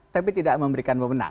tapi tidak memberikan memenang